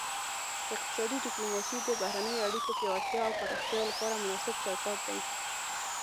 اقتصادي ډیپلوماسي د بهرنیو اړیکو پیاوړتیا او پراختیا لپاره مناسب چوکاټ دی